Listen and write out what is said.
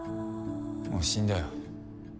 もう死んだよ。